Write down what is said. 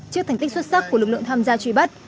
trước thành tích xuất sắc của lực lượng tham gia truy bắt